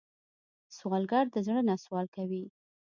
سوالګر د زړه نه سوال کوي